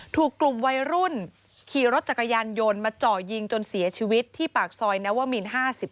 ถูกกลุ่มวัยรุ่นขี่รถจักรยานยนต์มาเจาะยิงจนเสียชีวิตที่ปากซอยนวมิน๕๑